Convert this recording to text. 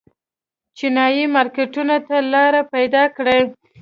چینايي مارکېټونو ته لار پیدا کړي.